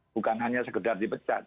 bukan hanya segedar dipecat